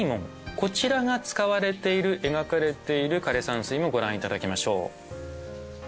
こちらが使われている描かれている枯山水もご覧頂きましょう。